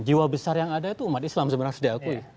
jiwa besar yang ada itu umat islam sebenarnya harus diakui